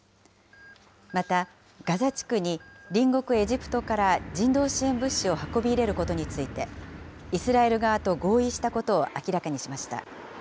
また、ガザ地区に隣国エジプトから人道支援物資を運び入れることについて、イスラエル側と合意したことを明らかにしました。